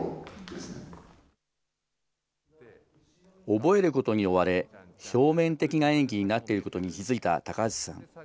覚えることに追われ、表面的な演技になっていることに気付いた高橋さん。